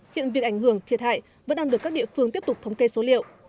hiện việc ảnh hưởng thiệt hại vẫn đang được các địa phương tiếp tục thống kê số liệu